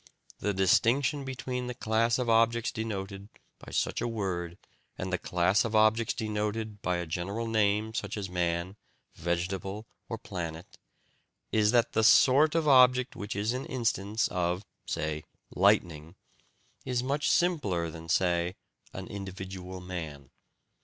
The distinction between the class of objects denoted by such a word and the class of objects denoted by a general name such as "man," "vegetable," or "planet," is that the sort of object which is an instance of (say) "lightning" is much simpler than (say) an individual man.